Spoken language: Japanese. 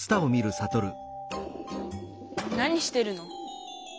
何してるの？